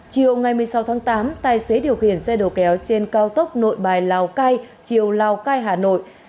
chiều ngày một mươi sáu tháng tám tài xế điều khiển xe đầu kéo trên cao tốc nội bài lào cai chiều lào cai hà nội